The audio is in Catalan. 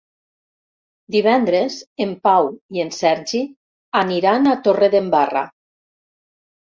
Divendres en Pau i en Sergi aniran a Torredembarra.